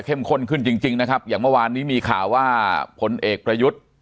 ข้นขึ้นจริงจริงนะครับอย่างเมื่อวานนี้มีข่าวว่าผลเอกประยุทธ์